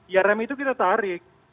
ya rem itu kita tarik